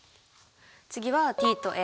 次はＴとＡ。